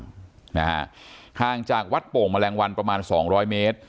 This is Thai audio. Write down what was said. ข้างจากวัดโป่งแมลงวันประมาณ๒๐๐เมตร